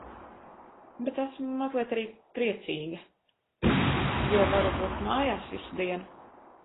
Bet esmu mazliet arī priecīga. Jo varu būt mājās visu dienu.